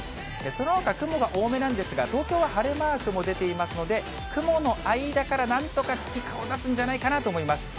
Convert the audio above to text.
そのほか雲は多めなんですが、東京は晴れマークも出ていますので、雲の間から、なんとか月、顔出すんじゃないかなと思います。